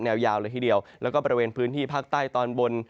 ยาวเลยทีเดียวแล้วก็บริเวณพื้นที่ภาคใต้ตอนบน